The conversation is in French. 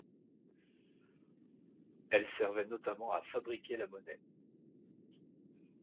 Elle servait notamment à fabriquer la monnaie.